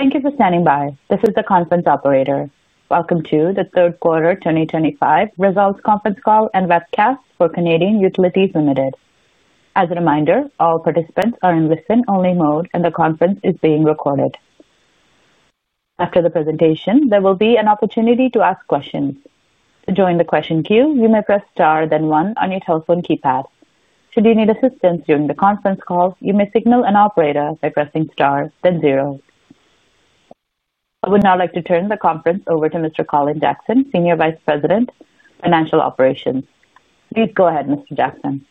Thank you for standing by. This is the conference operator. Welcome to the third quarter 2025 results conference call and webcast for Canadian Utilities Limited. As a reminder, all participants are in listen-only mode, and the conference is being recorded. After the presentation, there will be an opportunity to ask questions. To join the question queue, you may press star then one on your telephone keypad. Should you need assistance during the conference call, you may signal an operator by pressing star then zero. I would now like to turn the conference over to Mr. Colin Jackson, Senior Vice President, Financial Operations. Please go ahead, Mr. Jackson.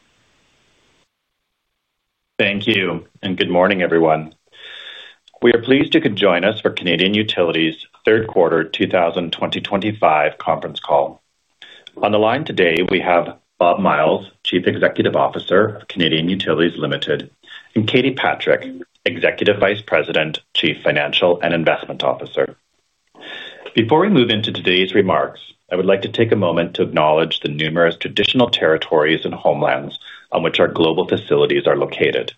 Thank you, and good morning, everyone. We are pleased you could join us for Canadian Utilities' third quarter 2025 conference call. On the line today, we have Bob Myles, Chief Executive Officer of Canadian Utilities Limited, and Katie Patrick, Executive Vice President, Chief Financial and Investment Officer. Before we move into today's remarks, I would like to take a moment to acknowledge the numerous traditional territories and homelands on which our global facilities are located.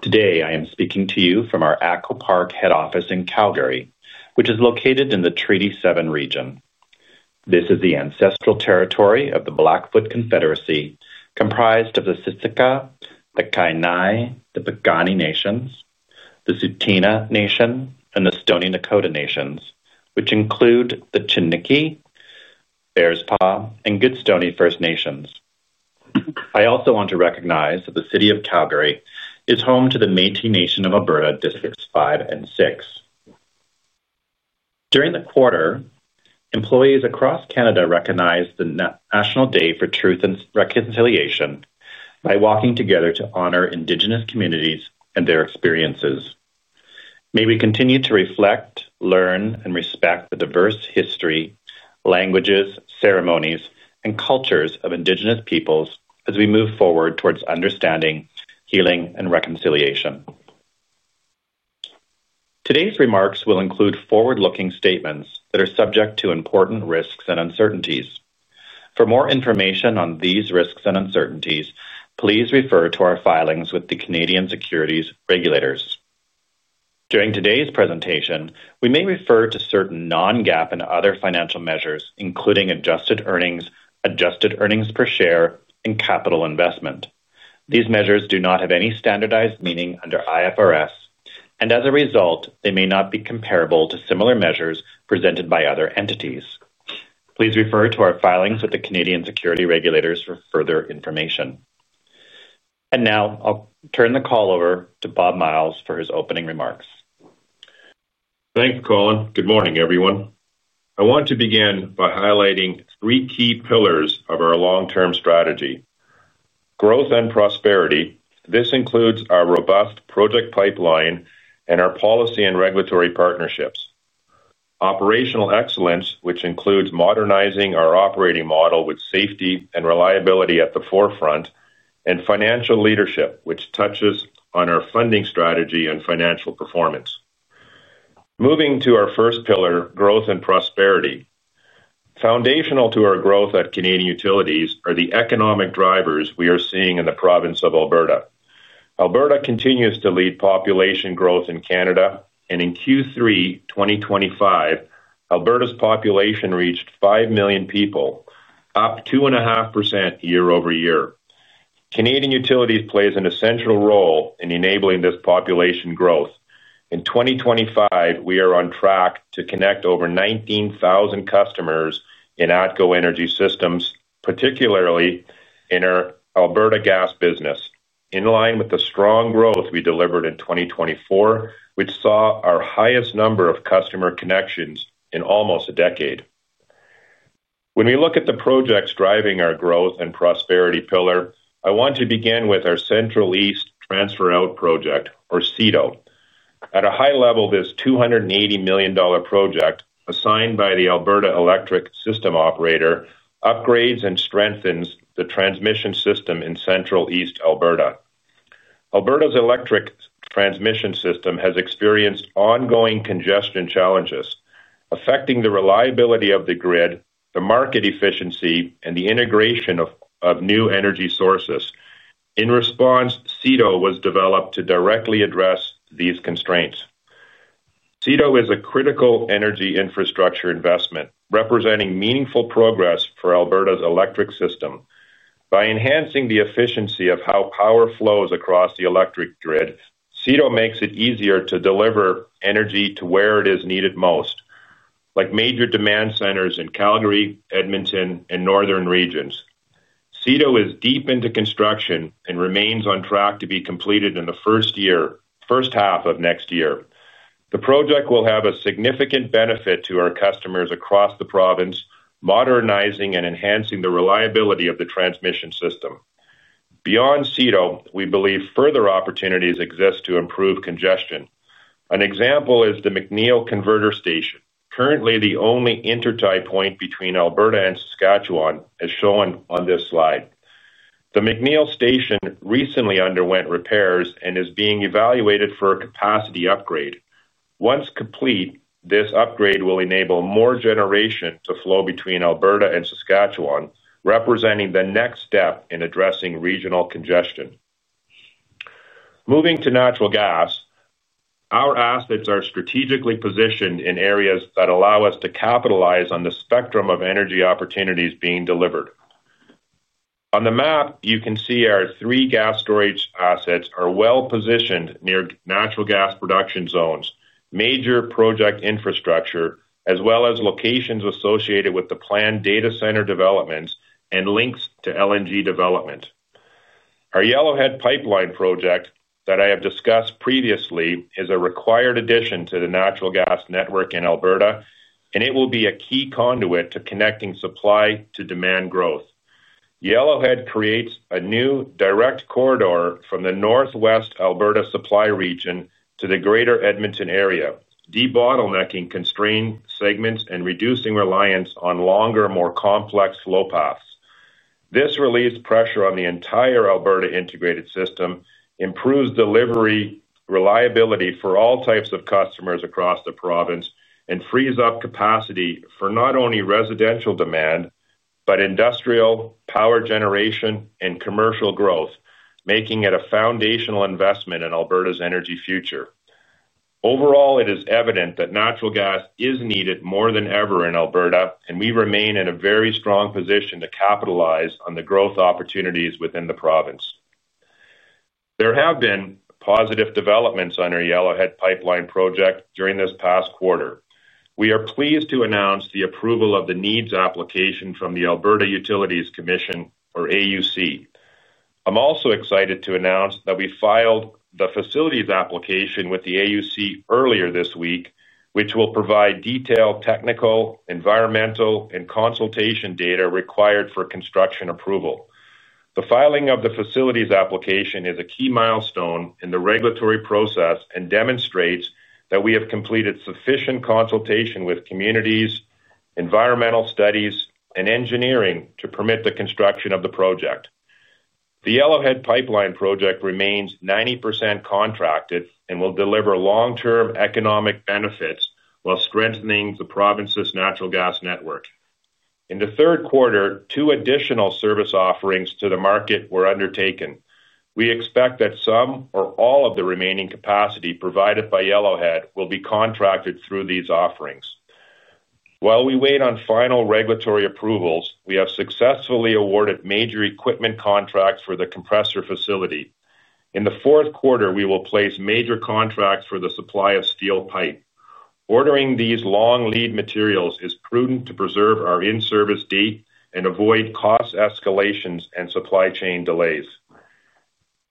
Today, I am speaking to you from our ATCO Park head office in Calgary, which is located in the Treaty 7 region. This is the ancestral territory of the Blackfoot Confederacy, comprised of the Siksika, the Kainai, the Piikani Nations, the Tsuut'ina Nation, and the Stoney-Nakoda Nations, which include the Chiniki, Bearspaw, and Goodstoney First Nations. I also want to recognize that the city of Calgary is home to the Métis Nation of Alberta, districts five and six. During the quarter, employees across Canada recognized the National Day for Truth and Reconciliation by walking together to honor Indigenous communities and their experiences. May we continue to reflect, learn, and respect the diverse history, languages, ceremonies, and cultures of Indigenous peoples as we move forward towards understanding, healing, and reconciliation. Today's remarks will include forward-looking statements that are subject to important risks and uncertainties. For more information on these risks and uncertainties, please refer to our filings with the Canadian Securities Regulators. During today's presentation, we may refer to certain non-GAAP and other financial measures, including adjusted earnings, adjusted earnings per share, and capital investment. These measures do not have any standardized meaning under IFRS, and as a result, they may not be comparable to similar measures presented by other entities. Please refer to our filings with the Canadian Securities Regulators for further information. I will turn the call over to Bob Myles for his opening remarks. Thanks, Colin. Good morning, everyone. I want to begin by highlighting three key pillars of our long-term strategy: growth and prosperity. This includes our robust project pipeline and our policy and regulatory partnerships, operational excellence, which includes modernizing our operating model with safety and reliability at the forefront, and financial leadership, which touches on our funding strategy and financial performance. Moving to our first pillar, growth and prosperity. Foundational to our growth at Canadian Utilities are the economic drivers we are seeing in the province of Alberta. Alberta continues to lead population growth in Canada, and in Q3 2025, Alberta's population reached 5 million people, up 2.5% year-over-year. Canadian Utilities plays an essential role in enabling this population growth. In 2025, we are on track to connect over 19,000 customers in ATCO Energy Systems, particularly in our Alberta gas business, in line with the strong growth we delivered in 2024, which saw our highest number of customer connections in almost a decade. When we look at the projects driving our growth and prosperity pillar, I want to begin with our Central East Transfer Out project, or CETO. At a high level, this 280 million dollar project, assigned by the Alberta Electric System Operator, upgrades and strengthens the transmission system in Central East Alberta. Alberta's electric transmission system has experienced ongoing congestion challenges, affecting the reliability of the grid, the market efficiency, and the integration of new energy sources. In response, CETO was developed to directly address these constraints. CETO is a critical energy infrastructure investment representing meaningful progress for Alberta's electric system. By enhancing the efficiency of how power flows across the electric grid, CETO makes it easier to deliver energy to where it is needed most, like major demand centers in Calgary, Edmonton, and northern regions. CETO is deep into construction and remains on track to be completed in the first half of next year. The project will have a significant benefit to our customers across the province, modernizing and enhancing the reliability of the transmission system. Beyond CETO, we believe further opportunities exist to improve congestion. An example is the McNeill Converter Station, currently the only intertie point between Alberta and Saskatchewan, as shown on this slide. The McNeill Station recently underwent repairs and is being evaluated for a capacity upgrade. Once complete, this upgrade will enable more generation to flow between Alberta and Saskatchewan, representing the next step in addressing regional congestion. Moving to natural gas, our assets are strategically positioned in areas that allow us to capitalize on the spectrum of energy opportunities being delivered. On the map, you can see our three gas storage assets are well-positioned near natural gas production zones, major project infrastructure, as well as locations associated with the planned data center developments and links to LNG development. Our Yellowhead Pipeline Project that I have discussed previously is a required addition to the natural gas network in Alberta, and it will be a key conduit to connecting supply-to-demand growth. Yellowhead creates a new direct corridor from the northwest Alberta supply region to the greater Edmonton area, debottlenecking constrained segments and reducing reliance on longer, more complex flow paths. This relieves pressure on the entire Alberta integrated system, improves delivery reliability for all types of customers across the province, and frees up capacity for not only residential demand but industrial power generation and commercial growth, making it a foundational investment in Alberta's energy future. Overall, it is evident that natural gas is needed more than ever in Alberta, and we remain in a very strong position to capitalize on the growth opportunities within the province. There have been positive developments on our Yellowhead Pipeline Project during this past quarter. We are pleased to announce the approval of the needs application from the Alberta Utilities Commission, or AUC. I'm also excited to announce that we filed the facilities application with the AUC earlier this week, which will provide detailed technical, environmental, and consultation data required for construction approval. The filing of the facilities application is a key milestone in the regulatory process and demonstrates that we have completed sufficient consultation with communities, environmental studies, and engineering to permit the construction of the project. The Yellowhead Pipeline Project remains 90% contracted and will deliver long-term economic benefits while strengthening the province's natural gas network. In the third quarter, two additional service offerings to the market were undertaken. We expect that some or all of the remaining capacity provided by Yellowhead will be contracted through these offerings. While we wait on final regulatory approvals, we have successfully awarded major equipment contracts for the compressor facility. In the fourth quarter, we will place major contracts for the supply of steel pipe. Ordering these long lead materials is prudent to preserve our in-service date and avoid cost escalations and supply chain delays.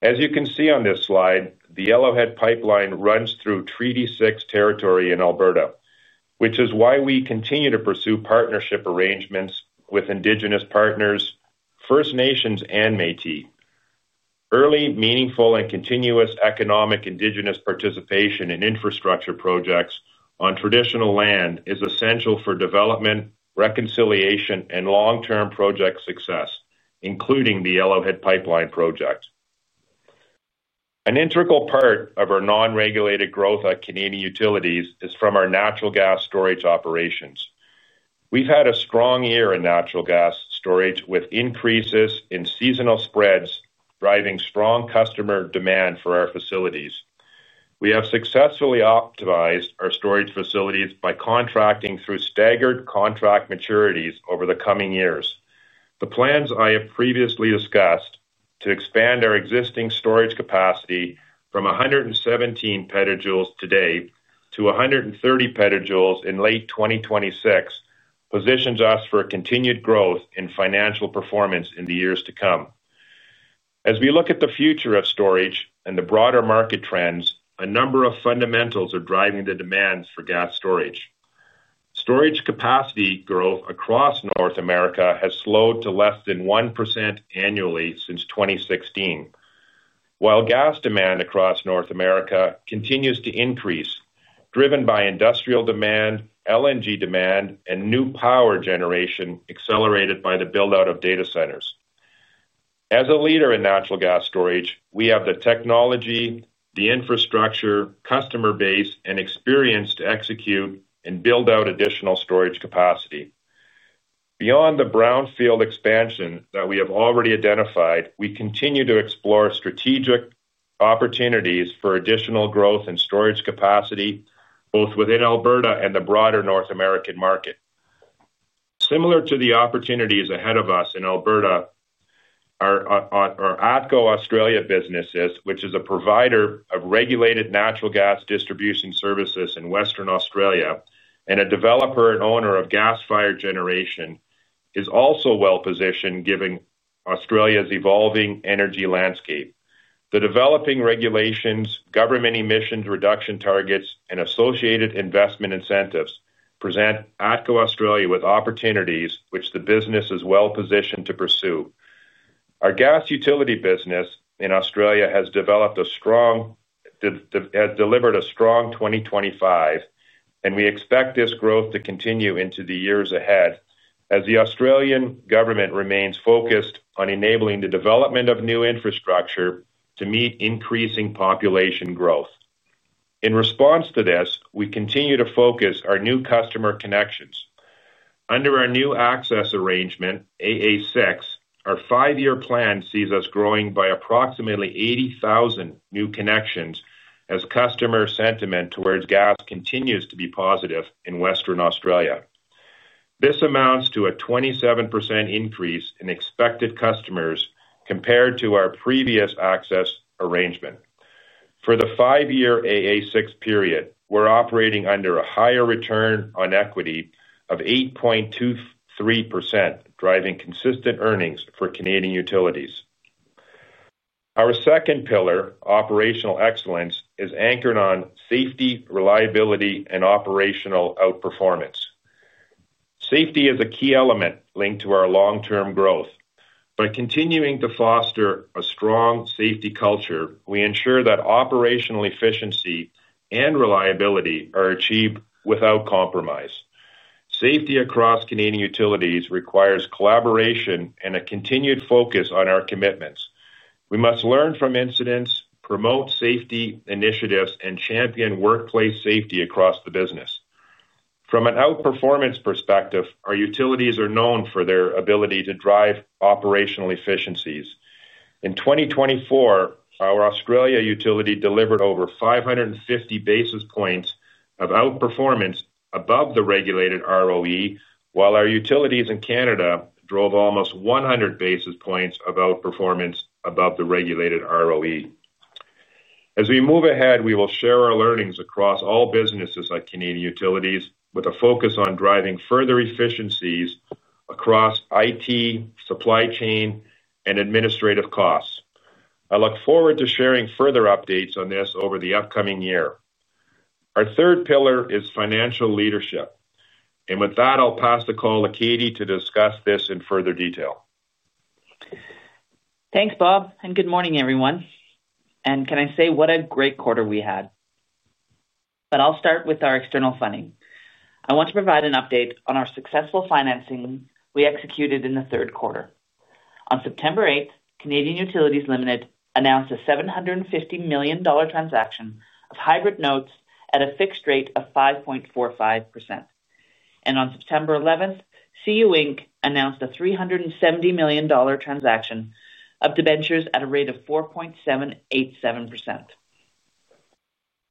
As you can see on this slide, the Yellowhead Pipeline runs through Treaty 6 territory in Alberta, which is why we continue to pursue partnership arrangements with Indigenous partners, First Nations, and Métis. Early, meaningful, and continuous economic Indigenous participation in infrastructure projects on traditional land is essential for development, reconciliation, and long-term project success, including the Yellowhead Pipeline Project. An integral part of our non-regulated growth at Canadian Utilities is from our natural gas storage operations. We've had a strong year in natural gas storage, with increases in seasonal spreads driving strong customer demand for our facilities. We have successfully optimized our storage facilities by contracting through staggered contract maturities over the coming years. The plans I have previously discussed to expand our existing storage capacity from 117 petajoules today to 130 petajoules in late 2026 positions us for continued growth in financial performance in the years to come. As we look at the future of storage and the broader market trends, a number of fundamentals are driving the demands for gas storage. Storage capacity growth across North America has slowed to less than 1% annually since 2016, while gas demand across North America continues to increase, driven by industrial demand, LNG demand, and new power generation accelerated by the build-out of data centers. As a leader in natural gas storage, we have the technology, the infrastructure, customer base, and experience to execute and build out additional storage capacity. Beyond the brownfield expansion that we have already identified, we continue to explore strategic opportunities for additional growth and storage capacity, both within Alberta and the broader North American market. Similar to the opportunities ahead of us in Alberta, our ATCO Australia businesses, which is a provider of regulated natural gas distribution services in Western Australia and a developer and owner of gas-fired generation, are also well positioned, given Australia's evolving energy landscape. The developing regulations, government emissions reduction targets, and associated investment incentives present ATCO Australia with opportunities which the business is well positioned to pursue. Our gas utility business in Australia has delivered a strong 2025, and we expect this growth to continue into the years ahead as the Australian government remains focused on enabling the development of new infrastructure to meet increasing population growth. In response to this, we continue to focus on our new customer connections. Under our new access arrangement, AA6, our five-year plan sees us growing by approximately 80,000 new connections as customer sentiment towards gas continues to be positive in Western Australia. This amounts to a 27% increase in expected customers compared to our previous access arrangement. For the five-year AA6 period, we're operating under a higher return on equity of 8.23%, driving consistent earnings for Canadian Utilities. Our second pillar, operational excellence, is anchored on safety, reliability, and operational outperformance. Safety is a key element linked to our long-term growth. By continuing to foster a strong safety culture, we ensure that operational efficiency and reliability are achieved without compromise. Safety across Canadian Utilities requires collaboration and a continued focus on our commitments. We must learn from incidents, promote safety initiatives, and champion workplace safety across the business. From an outperformance perspective, our utilities are known for their ability to drive operational efficiencies. In 2024, our Australia Utility delivered over 550 basis points of outperformance above the regulated ROE, while our utilities in Canada drove almost 100 basis points of outperformance above the regulated ROE. As we move ahead, we will share our learnings across all businesses at Canadian Utilities, with a focus on driving further efficiencies across IT, supply chain, and administrative costs. I look forward to sharing further updates on this over the upcoming year. Our third pillar is financial leadership. With that, I'll pass the call to Katie to discuss this in further detail. Thanks, Bob. Good morning, everyone. Can I say what a great quarter we had? I'll start with our external funding. I want to provide an update on our successful financing we executed in the third quarter. On September 8th, Canadian Utilities Limited announced a 750 million dollar transaction of hybrid notes at a fixed rate of 5.45%. On September 11th, CU Inc announced a 370 million dollar transaction of debentures at a rate of 4.787%.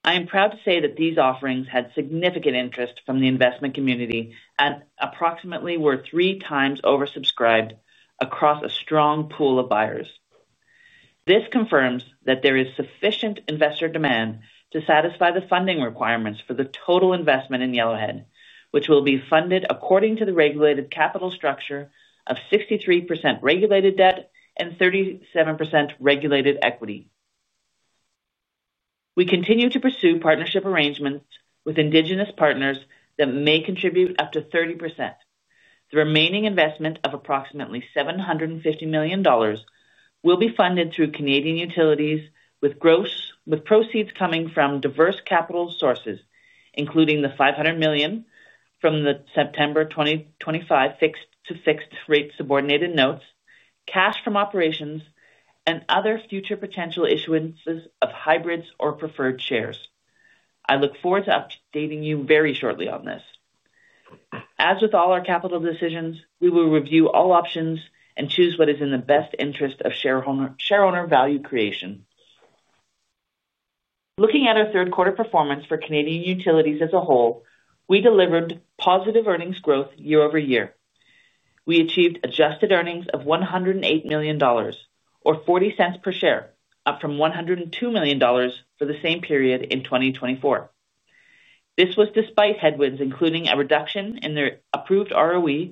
I am proud to say that these offerings had significant interest from the investment community and approximately were three times oversubscribed across a strong pool of buyers. This confirms that there is sufficient investor demand to satisfy the funding requirements for the total investment in Yellowhead, which will be funded according to the regulated capital structure of 63% regulated debt and 37% regulated equity. We continue to pursue partnership arrangements with Indigenous partners that may contribute up to 30%. The remaining investment of approximately 750 million dollars will be funded through Canadian Utilities, with proceeds coming from diverse capital sources, including the 500 million from the September 2025 fixed-to-fixed-rate subordinated notes, cash from operations, and other future potential issuance of hybrids or preferred shares. I look forward to updating you very shortly on this. As with all our capital decisions, we will review all options and choose what is in the best interest of shareholder value creation. Looking at our third-quarter performance for Canadian Utilities as a whole, we delivered positive earnings growth year over year. We achieved adjusted earnings of 108 million dollars, or 0.40 per share, up from 102 million dollars for the same period in 2024. This was despite headwinds, including a reduction in the approved ROE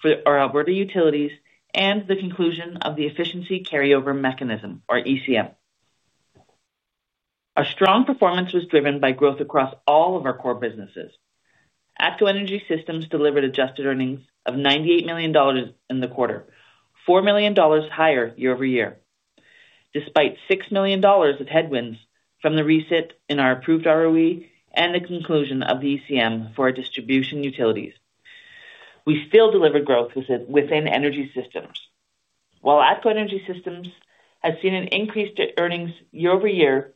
for our Alberta Utilities and the conclusion of the efficiency carryover mechanism, or ECM. Our strong performance was driven by growth across all of our core businesses. ATCO Energy Systems delivered adjusted earnings of 98 million dollars in the quarter, 4 million dollars higher year-over-year, despite 6 million dollars of headwinds from the reset in our approved ROE and the conclusion of the ECM for our distribution utilities. We still delivered growth within Energy Systems. While ATCO Energy Systems has seen an increase to earnings year-over-year,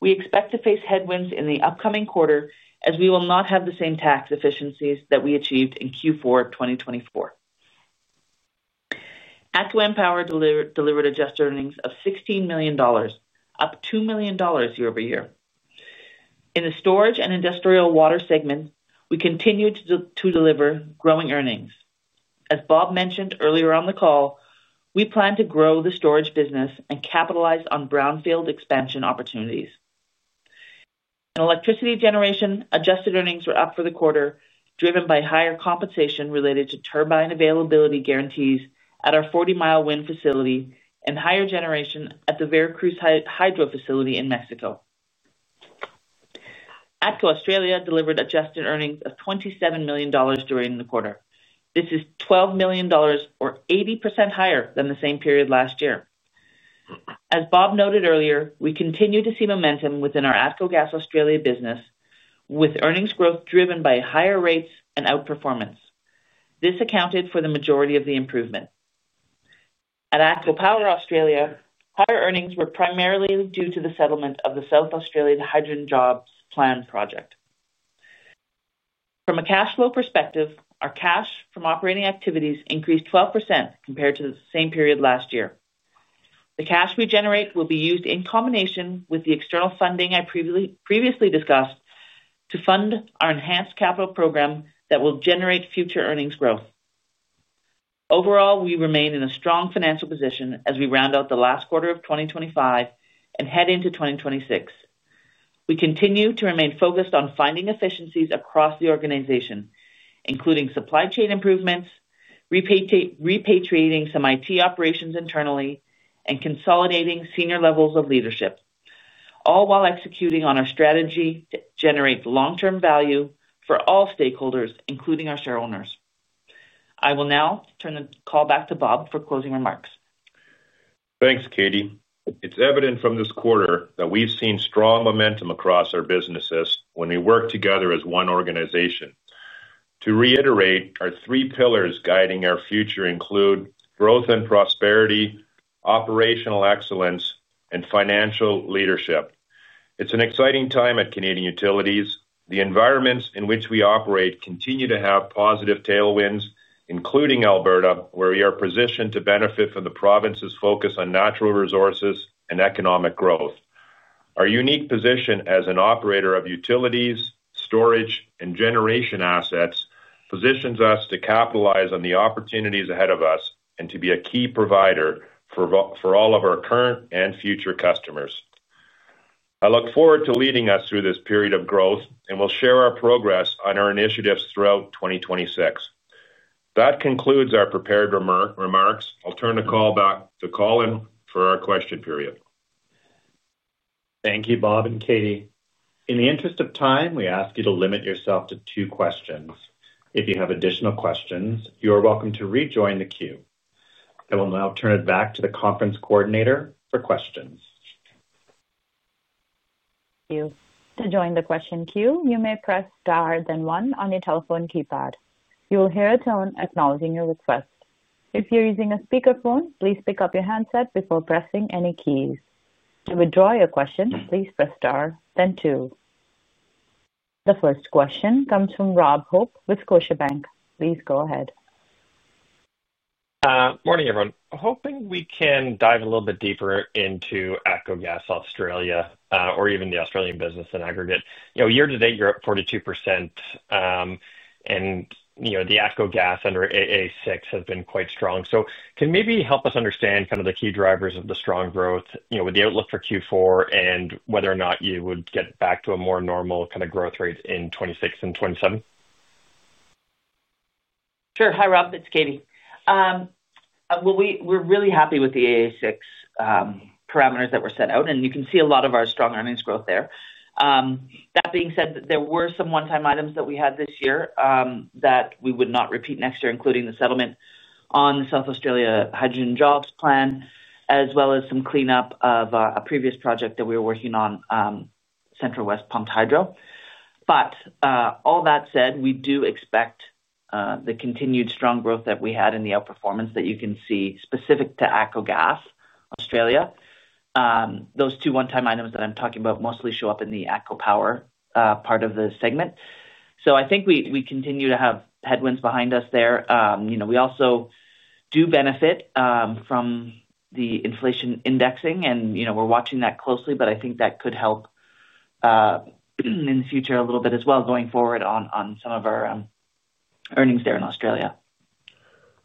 we expect to face headwinds in the upcoming quarter as we will not have the same tax efficiencies that we achieved in Q4 2024. ATCO Power delivered adjusted earnings of 16 million dollars, up 2 million dollars year over year. In the Storage and Industrial Water segment, we continue to deliver growing earnings. As Bob mentioned earlier on the call, we plan to grow the storage business and capitalize on brownfield expansion opportunities. In electricity generation, adjusted earnings were up for the quarter, driven by higher compensation related to turbine availability guarantees at our 40 m Wind Facility and higher generation at the Veracruz Hydro Facility in Mexico. ATCO Australia delivered adjusted earnings of 27 million dollars during the quarter. This is 12 million dollars, or 80% higher than the same period last year. As Bob noted earlier, we continue to see momentum within our ATCO Gas Australia business, with earnings growth driven by higher rates and outperformance. This accounted for the majority of the improvement. At ATCO Power Australia, higher earnings were primarily due to the settlement of the South Australian Hydrogen Jobs Plan project. From a cash flow perspective, our cash from operating activities increased 12% compared to the same period last year. The cash we generate will be used in combination with the external funding I previously discussed to fund our enhanced capital program that will generate future earnings growth. Overall, we remain in a strong financial position as we round out the last quarter of 2025 and head into 2026. We continue to remain focused on finding efficiencies across the organization, including supply chain improvements, repatriating some IT operations internally, and consolidating senior levels of leadership, all while executing on our strategy to generate long-term value for all stakeholders, including our shareholders. I will now turn the call back to Bob for closing remarks. Thanks, Katie. It's evident from this quarter that we've seen strong momentum across our businesses when we work together as one organization. To reiterate, our three pillars guiding our future include growth and prosperity, operational excellence, and financial leadership. It's an exciting time at Canadian Utilities. The environments in which we operate continue to have positive tailwinds, including Alberta, where we are positioned to benefit from the province's focus on natural resources and economic growth. Our unique position as an operator of utilities, storage, and generation assets positions us to capitalize on the opportunities ahead of us and to be a key provider for all of our current and future customers. I look forward to leading us through this period of growth and will share our progress on our initiatives throughout 2026. That concludes our prepared remarks. I'll turn the call back to Colin for our question period. Thank you, Bob and Katie. In the interest of time, we ask you to limit yourself to two questions. If you have additional questions, you are welcome to rejoin the queue. I will now turn it back to the conference coordinator for questions. Thank you. To join the question queue, you may press star then one on your telephone keypad. You will hear a tone acknowledging your request. If you're using a speakerphone, please pick up your handset before pressing any keys. To withdraw your question, please press star then two. The first question comes from Rob Hope with Scotiabank. Please go ahead. Morning, everyone. Hoping we can dive a little bit deeper into ATCO Gas Australia, or even the Australian business in aggregate. Year to date, you're up 42%. And the ATCO Gas under AA6 has been quite strong. So can you maybe help us understand kind of the key drivers of the strong growth with the outlook for Q4 and whether or not you would get back to a more normal kind of growth rate in 2026 and 2027? Sure. Hi, Rob. It's Katie. We're really happy with the AA6 parameters that were set out. You can see a lot of our strong earnings growth there. That being said, there were some one-time items that we had this year that we would not repeat next year, including the settlement on the South Australian Hydrogen Jobs Plan, as well as some cleanup of a previous project that we were working on, Central West Pumped Hydro. All that said, we do expect the continued strong growth that we had in the outperformance that you can see specific to ATCO Gas Australia. Those two one-time items that I'm talking about mostly show up in the ATCO Power part of the segment. I think we continue to have headwinds behind us there. We also do benefit from the inflation indexing, and we're watching that closely. I think that could help in the future a little bit as well, going forward on some of our earnings there in Australia.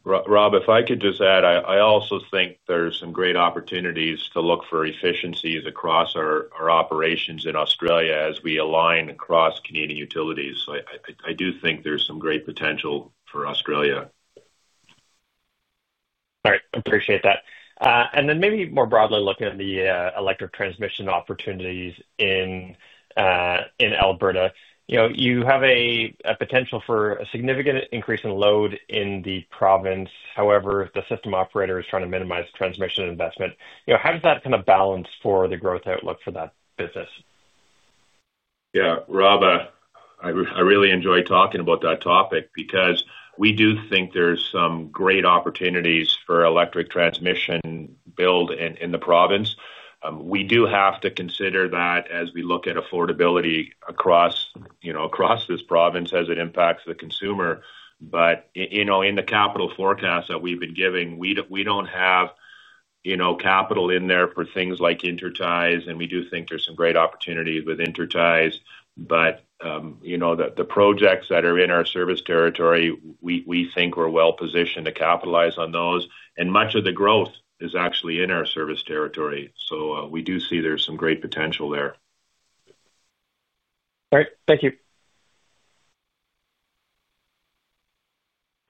Rob, if I could just add, I also think there are some great opportunities to look for efficiencies across our operations in Australia as we align across Canadian Utilities. I do think there's some great potential for Australia. All right. Appreciate that. Maybe more broadly looking at the electric transmission opportunities in Alberta, you have a potential for a significant increase in load in the province. However, the system operator is trying to minimize transmission investment. How does that kind of balance for the growth outlook for that business? Yeah. Rob, I really enjoy talking about that topic because we do think there's some great opportunities for electric transmission build in the province. We do have to consider that as we look at affordability across this province as it impacts the consumer. In the capital forecast that we have been giving, we do not have capital in there for things like interties. We do think there are some great opportunities with interties. The projects that are in our service territory, we think we are well positioned to capitalize on those. Much of the growth is actually in our service territory. We do see there is some great potential there. All right. Thank you.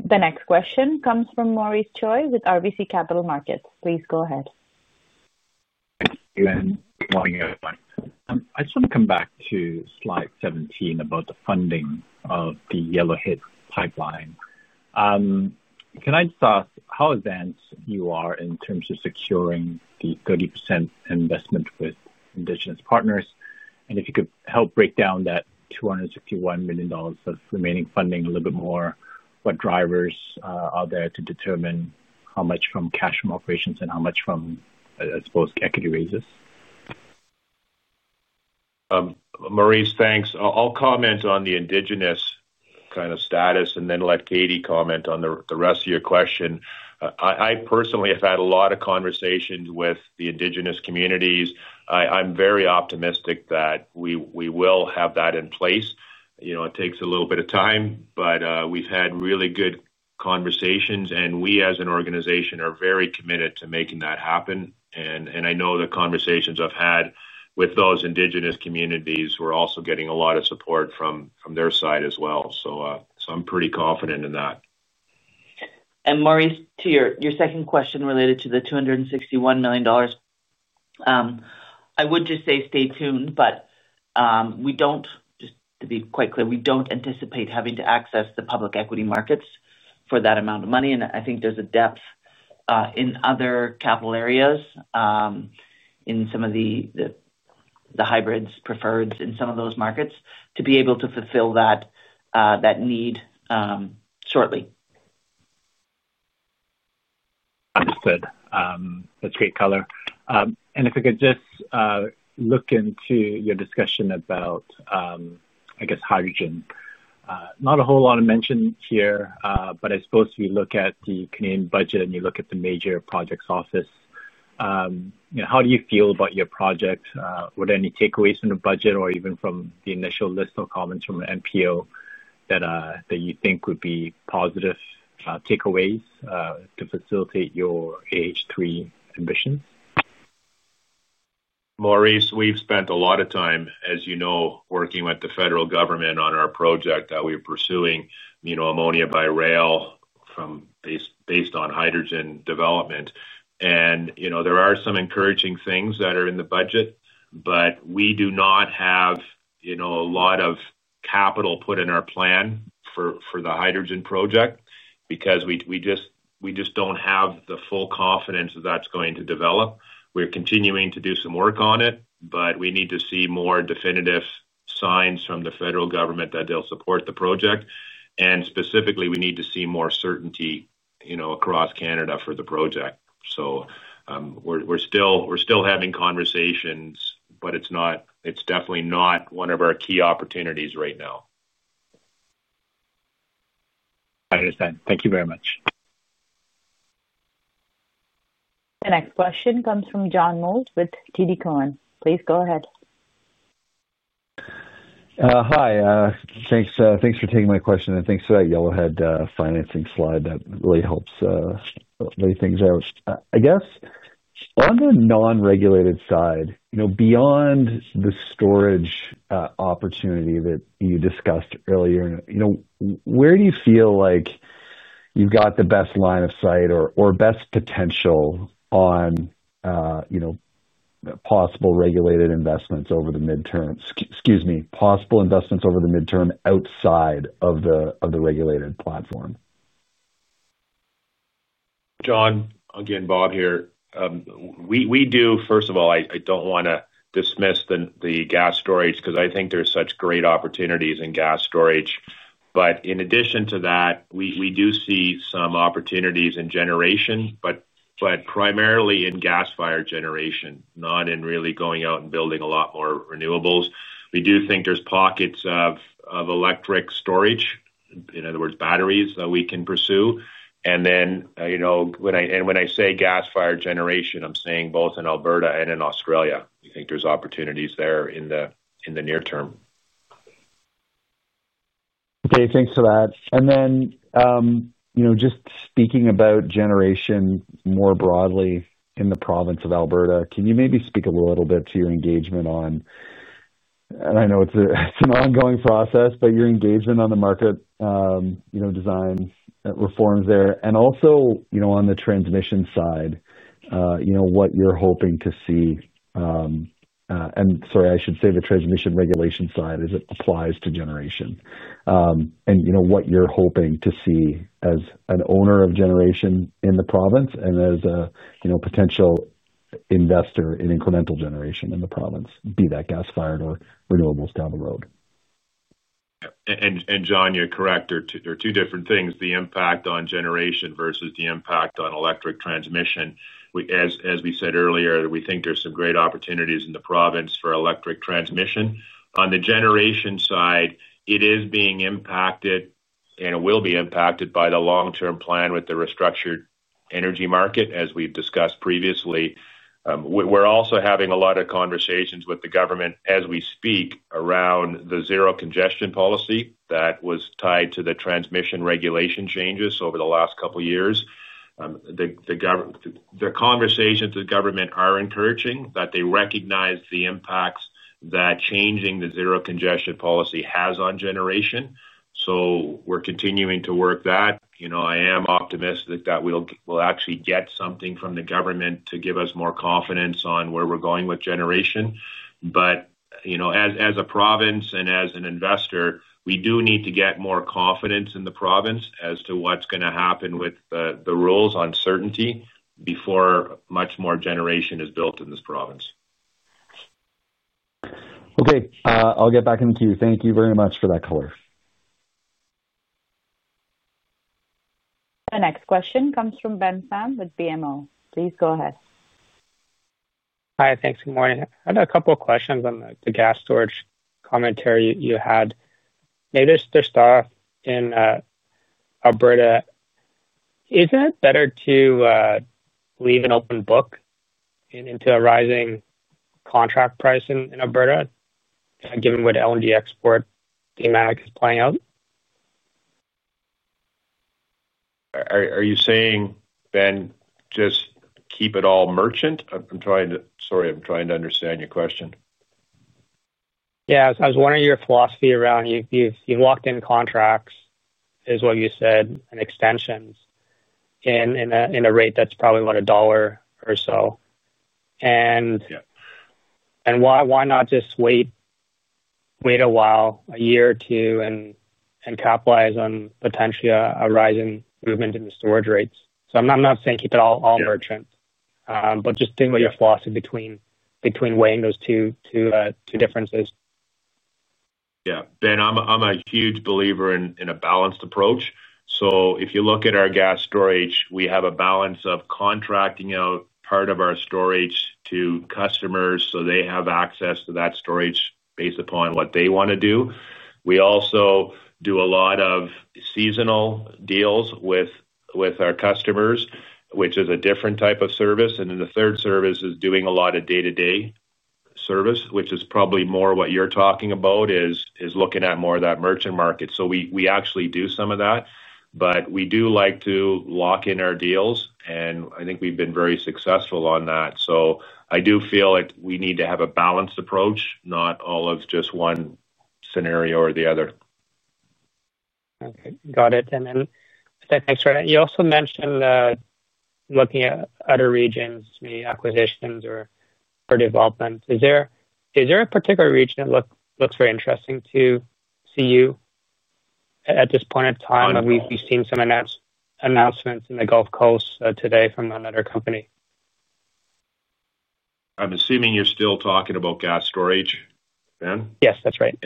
The next question comes from Maurice Choy with RBC Capital Markets. Please go ahead. Thank you. Good morning, everyone. I just want to come back to slide 17 about the funding of the Yellowhead Pipeline. Can I just ask how advanced you are in terms of securing the 30% investment with Indigenous partners? If you could help break down that 261 million dollars of remaining funding a little bit more, what drivers are there to determine how much from cash from operations and how much from, I suppose, equity raises? Maurice, thanks. I'll comment on the Indigenous kind of status and then let Katie comment on the rest of your question. I personally have had a lot of conversations with the Indigenous communities. I'm very optimistic that we will have that in place. It takes a little bit of time, but we've had really good conversations. We, as an organization, are very committed to making that happen. I know the conversations I've had with those Indigenous communities, we're also getting a lot of support from their side as well. I'm pretty confident in that. Maurice, to your second question related to the 261 million dollars, I would just say stay tuned. Just to be quite clear, we do not anticipate having to access the public equity markets for that amount of money. I think there is a depth in other capital areas, in some of the hybrids, preferred in some of those markets, to be able to fulfill that need shortly. Understood. That is great color. If we could just look into your discussion about, I guess, hydrogen. Not a whole lot of mention here, but I suppose if you look at the Canadian budget and you look at the major projects office, how do you feel about your project? Were there any takeaways from the budget or even from the initial list of comments from the NPO that you think would be positive takeaways to facilitate your AH3 ambitions? Maurice, we've spent a lot of time, as you know, working with the federal government on our project that we're pursuing, ammonia by rail based on hydrogen development. There are some encouraging things that are in the budget, but we do not have a lot of capital put in our plan for the hydrogen project because we just do not have the full confidence that that is going to develop. We're continuing to do some work on it, but we need to see more definitive signs from the federal government that they'll support the project. Specifically, we need to see more certainty across Canada for the project. We're still having conversations, but it's definitely not one of our key opportunities right now. I understand. Thank you very much. The next question comes from John Miller with TD Cowen. Please go ahead. Hi. Thanks for taking my question. Thanks for that Yellowhead financing slide. That really helps lay things out. I guess on the non-regulated side, beyond the storage opportunity that you discussed earlier, where do you feel like you have the best line of sight or best potential on possible regulated investments over the midterm? Excuse me. Possible investments over the midterm outside of the regulated platform. John, again, Bob here. First of all, I do not want to dismiss the gas storage because I think there are such great opportunities in gas storage. In addition to that, we do see some opportunities in generation, but primarily in gas-fired generation, not in really going out and building a lot more renewables. We do think there are pockets of electric storage, in other words, batteries that we can pursue. When I say gas-fired generation, I am saying both in Alberta and in Australia. We think there's opportunities there in the near term. Okay. Thanks for that. Just speaking about generation more broadly in the province of Alberta, can you maybe speak a little bit to your engagement on, and I know it's an ongoing process, but your engagement on the market design reforms there, and also on the transmission side, what you're hoping to see? Sorry, I should say the transmission regulation side as it applies to generation and what you're hoping to see as an owner of generation in the province and as a potential investor in incremental generation in the province, be that gas fired or renewables down the road. John, you're correct. There are two different things, the impact on generation versus the impact on electric transmission. As we said earlier, we think there's some great opportunities in the province for electric transmission. On the generation side, it is being impacted and it will be impacted by the long-term plan with the restructured energy market, as we've discussed previously. We're also having a lot of conversations with the government as we speak around the zero congestion policy that was tied to the transmission regulation changes over the last couple of years. The conversations with the government are encouraging that they recognize the impacts that changing the zero congestion policy has on generation. We're continuing to work that. I am optimistic that we'll actually get something from the government to give us more confidence on where we're going with generation. As a province and as an investor, we do need to get more confidence in the province as to what's going to happen with the rules on certainty before much more generation is built in this province. Okay. I'll get back in with you. Thank you very much for that color. The next question comes from Ben Pham with BMO. Please go ahead. Hi. Thanks. Good morning. I had a couple of questions on the gas storage commentary you had. Maybe to start off in Alberta, isn't it better to leave an open book into a rising contract price in Alberta, given what LNG export demand is playing out? Are you saying, Ben, just keep it all merchant? I'm sorry. I'm trying to understand your question. Yeah. I was wondering your philosophy around you've locked in contracts, is what you said, and extensions in a rate that's probably about $1 or so. And why not just wait a while, a year or two, and capitalize on potentially a rising movement in the storage rates? I'm not saying keep it all merchant, but just think about your philosophy between weighing those two differences. Yeah. Ben, I'm a huge believer in a balanced approach. If you look at our gas storage, we have a balance of contracting out part of our storage to customers so they have access to that storage based upon what they want to do. We also do a lot of seasonal deals with our customers, which is a different type of service. The third service is doing a lot of day-to-day service, which is probably more what you're talking about, looking at more of that merchant market. We actually do some of that, but we do like to lock in our deals. I think we've been very successful on that. I do feel like we need to have a balanced approach, not all of just one scenario or the other. Okay. Got it. Thanks for that. You also mentioned looking at other regions, maybe acquisitions or developments. Is there a particular region that looks very interesting to you at this point in time? We've seen some announcements in the Gulf Coast today from another company. I'm assuming you're still talking about gas storage, Ben? Yes, that's right.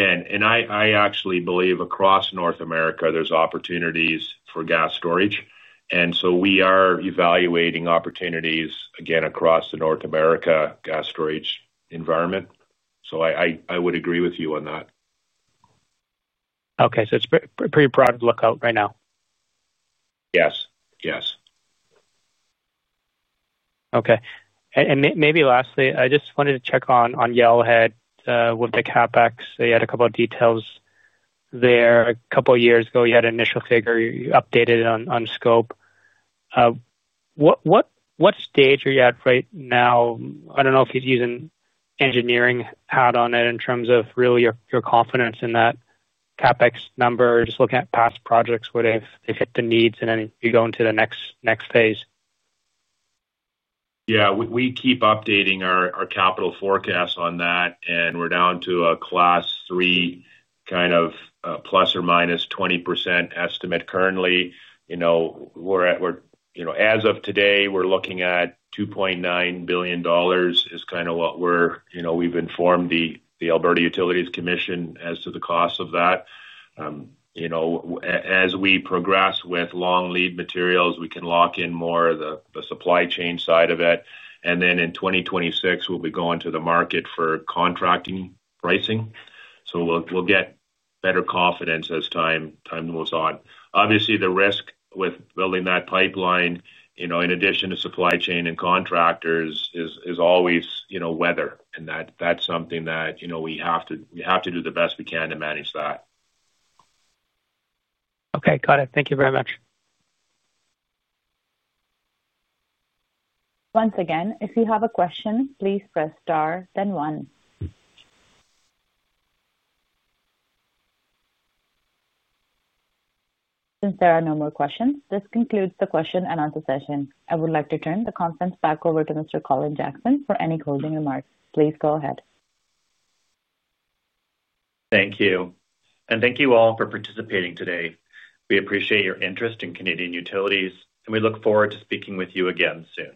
I actually believe across North America, there are opportunities for gas storage. We are evaluating opportunities, again, across the North America gas storage environment. I would agree with you on that. Okay. It's a pretty broad lookout right now. Yes. Yes. Okay. Maybe lastly, I just wanted to check on Yellowhead with the CapEx. You had a couple of details there. A couple of years ago, you had an initial figure. You updated it on scope. What stage are you at right now? I do not know if he is using engineering hat on it in terms of really your confidence in that CapEx number or just looking at past projects where they have hit the needs and then you are going to the next phase. Yeah. We keep updating our capital forecast on that. We are down to a class three kind of plus or minus 20% estimate currently. As of today, we are looking at 2.9 billion dollars is kind of what we have informed the Alberta Utilities Commission as to the cost of that. As we progress with long lead materials, we can lock in more of the supply chain side of it. In 2026, we will be going to the market for contracting pricing. We'll get better confidence as time moves on. Obviously, the risk with building that pipeline, in addition to supply chain and contractors, is always weather. That's something that we have to do the best we can to manage. Okay. Got it. Thank you very much. Once again, if you have a question, please press star, then one. Since there are no more questions, this concludes the question and answer session. I would like to turn the conference back over to Mr. Colin Jackson for any closing remarks. Please go ahead. Thank you. And thank you all for participating today. We appreciate your interest in Canadian Utilities, and we look forward to speaking with you again soon.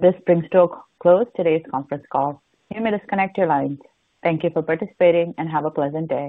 This brings to a close today's conference call. You may disconnect your lines. Thank you for participating and have a pleasant day.